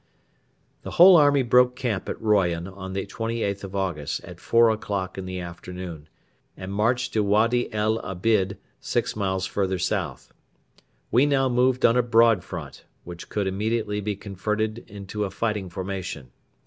The whole army broke camp at Royan on the 28th of August at four o'clock in the afternoon, and marched to Wady el Abid six miles further south. We now moved on a broad front, which could immediately be converted into a fighting formation.